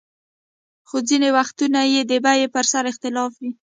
خو ځینې وختونه یې د بیې پر سر اختلاف وي.